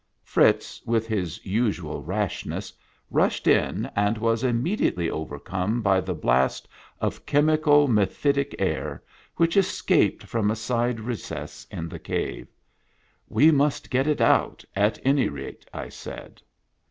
Fritz, with his usual rashness, rushed in, and was immediately overcome by the blast of chemical mephitic air, which escaped from a side recess in the cave. "We must get it out, at any rate," I said.